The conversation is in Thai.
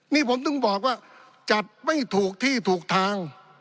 นี่ผมถึงบอกว่าจัดไม่ถูกที่ถูกทาง